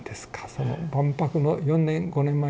その万博の４５年前。